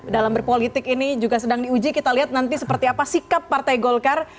dalam berpolitik ini juga sedang diuji kita lihat nanti seperti apa sikap partai golkar